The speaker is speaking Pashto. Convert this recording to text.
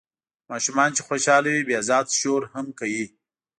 ماشومان چې خوشال وي بیا زیات شور هم کوي.